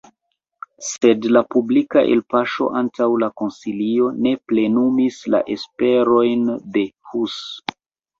Sed la publika elpaŝo antaŭ la koncilio ne plenumis la esperojn de Hus.